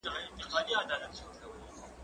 زه پرون کتابونه وړم وم!؟